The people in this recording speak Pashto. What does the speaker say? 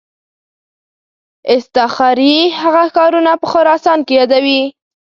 اصطخري هغه ښارونه په خراسان کې یادوي.